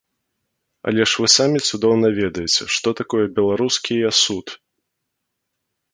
Але ж вы самі цудоўна ведаеце, што такое беларускія суд.